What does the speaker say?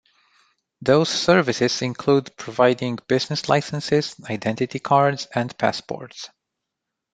Those services include providing business licenses, identity cards and passports.